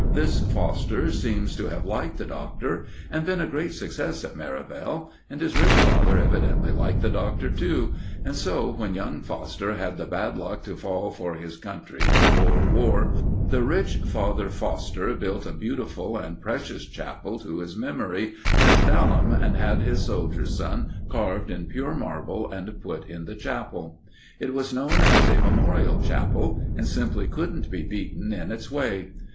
This Foster seems to have liked the Doctor, and been a great success at Merivale; and his rich father evidently liked the Doctor, too, and so, when young Foster had the bad luck to fall for his country in the Boer War, the rich father Foster built a beautiful and precious chapel to his memory at Daleham, and had his soldier son carved in pure marble and put in the chapel. It was known as a memorial chapel, and simply couldn't be beaten in its way.